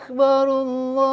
aku akan melupakanmu selamanya